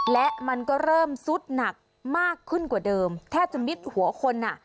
และมันก็เริ่มซุดหนักมากขึ้นกว่าเดิมแทบจะมิดหัวคนอ่ะ